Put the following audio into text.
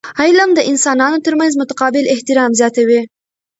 علم د انسانانو ترمنځ متقابل احترام زیاتوي.